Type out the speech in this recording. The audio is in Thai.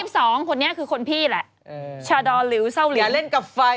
สองคนนี้คือคนพี่แหละเออชาดอลิวเศร้าลิวอย่าเล่นกับไฟ